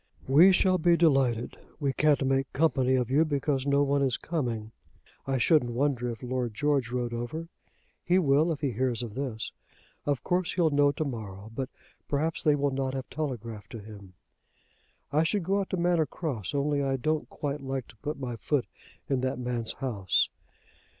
"We shall be delighted. We can't make company of you, because no one is coming. I shouldn't wonder if Lord George rode over. He will if he hears of this. Of course he'll know to morrow; but perhaps they will not have telegraphed to him. I should go out to Manor Cross, only I don't quite like to put my foot in that man's house."